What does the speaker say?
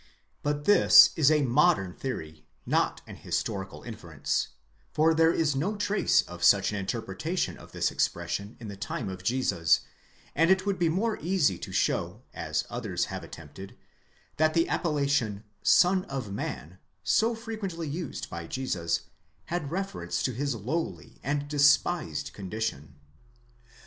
but this is a modern theory, not an historical inference, for there is no trace of such an interpretation of the expression in the time of Jesus,' and it would be more easy to show, as others have attempted, that the appellation, Sox of Man, so frequently used by Jesus, had reference to his lowly and despised condition.